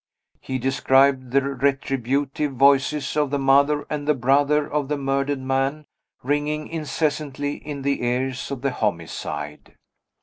He described the retributive voices of the mother and the brother of the murdered man ringing incessantly in the ears of the homicide.